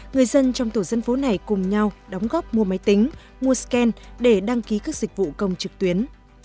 người dân trong tổ dân phố này cùng nhau đóng góp mua máy tính mua scan để đăng ký các dịch vụ công trực tuyến